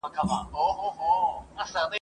چي مي غزلي ورته لیکلې ,